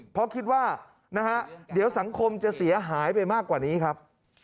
เพราะคิดว่านะฮะเดี๋ยวสังคมจะเสียหายไปมากกว่านี้ครับ